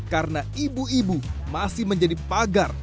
karena ibu ibu masih menjadi pagar